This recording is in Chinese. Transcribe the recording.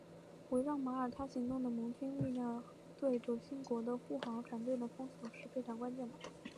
围绕马耳他行动的盟军力量对轴心国的护航船队的封锁是非常关键的。